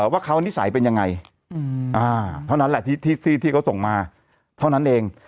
ว่าเขานิสัยเป็นยังไงเท่านั้นแหละที่เขาส่งมาเท่านั้นเอง